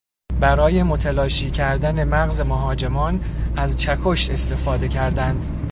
برای متلاشی کردن مغز مهاجمان از چکش استفاده کردند.